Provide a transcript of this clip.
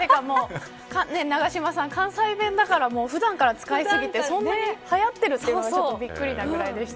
永島さん、関西弁だから普段から使いすぎてはやっているのがびっくりなぐらいです。